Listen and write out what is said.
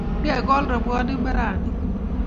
Ngekol robwanik mbaranni